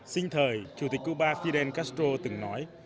xin thời chủ tịch cuba fidel castro từng nói